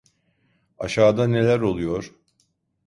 Aşağıda neler oluyor?